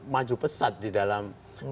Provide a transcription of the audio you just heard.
maju pesat di dalam